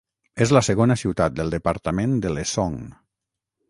És la segona ciutat del departament de l'Essonne.